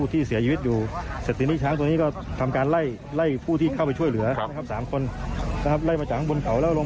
มีบัตรเจ็บหนึ่งคนครับคือผู้ที่อยู่ในเหตุการณ์